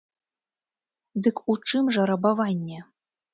Дык у чым жа рабаванне?